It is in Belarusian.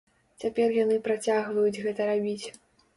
Цяпер яны працягваюць гэта рабіць.